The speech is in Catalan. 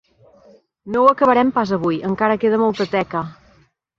No ho acabarem pas avui: encara queda molta teca.